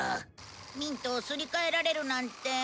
ミントをすり替えられるなんて。